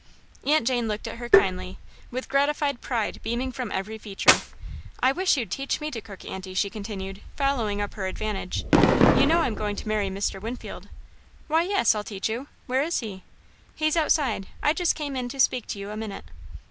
Aunt Jane looked at her kindly, with gratified pride beaming from every feature. "I wish you'd teach me to cook, Aunty," she continued, following up her advantage, "you know I'm going to marry Mr. Winfield." "Why, yes, I'll teach you where is he?" "He's outside I just came in to speak to you a minute."